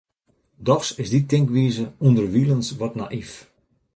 Dochs is dy tinkwize ûnderwilens wat nayf.